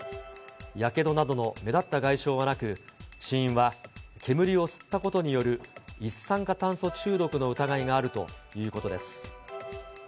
やけどなどの目立った外傷はなく、死因は煙を吸ったことによる一酸化炭素中毒の疑いがあるということです。